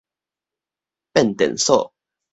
變電所